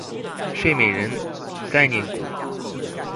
睡美人概念股